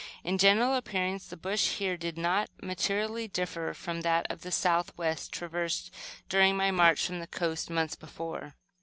In general appearance, the bush here did not materially differ from that to the southwest, traversed during my march from the coast months before.